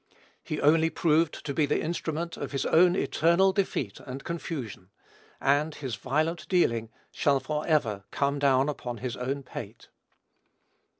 He only proved to be the instrument of his own eternal defeat and confusion, and "his violent dealing" shall forever "come down upon his own pate."